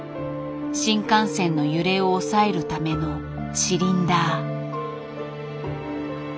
新幹線の揺れを抑えるためのシリンダー。